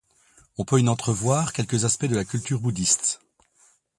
On peut y entrevoir quelques aspects de la culture bouddhiste.